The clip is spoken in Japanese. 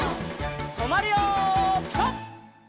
とまるよピタ！